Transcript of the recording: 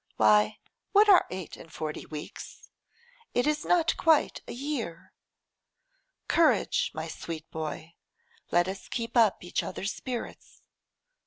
Why what are eight and forty weeks? It is not quite a year. Courage, my sweet boy! let us keep up each other's spirits.